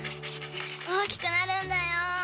大きくなるんだよ。